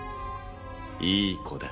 いい子だ。